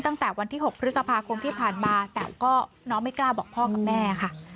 ตั้งแต่วันที่๖พฤษภาคมที่ผ่านมาแต่ก็น้องไม่กล้าบอกพ่อกับแม่ค่ะ